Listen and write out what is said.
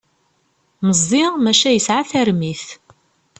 Meẓẓi maca yesεa tarmit.